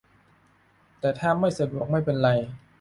แต่ถ้าไม่สะดวกไม่เป็นไร